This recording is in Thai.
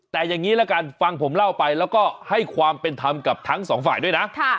แต่อย่างนี้ละกันฟังผมเล่าไปแล้วก็ให้ความเป็นธรรมกับทั้งสองฝ่ายด้วยนะ